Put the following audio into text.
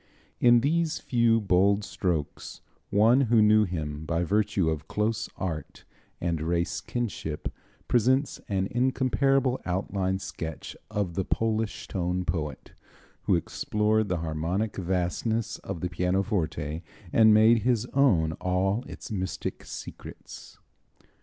In these few, bold strokes one who knew him by virtue of close art and race kinship, presents an incomparable outline sketch of the Polish tone poet who explored the harmonic vastness of the pianoforte and made his own all its mystic secrets.